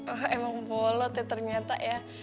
oh emang bolot ya ternyata ya